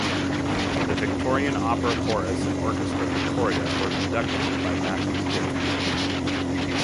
The Victorian Opera Chorus and Orchestra Victoria were conducted by Matthew Coorey.